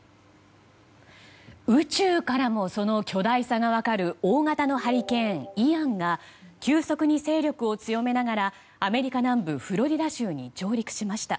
宇宙からもその巨大さが分かる大型のハリケーンイアンが急速に勢力を強めながらアメリカ南部フロリダ州に上陸しました。